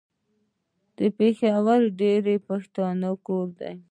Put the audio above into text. پېښور د ډېرو پښتنو کور ده.